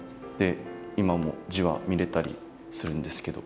今も字は見れたりするんですけど。